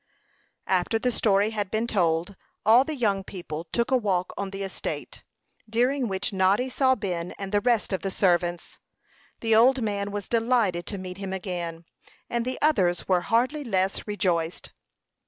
After the story had been told, all the young people took a walk on the estate, during which Noddy saw Ben and the rest of the servants. The old man was delighted to meet him again, and the others were hardly less rejoiced.